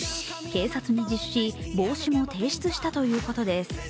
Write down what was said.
警察に自首し、帽子も提出したということです。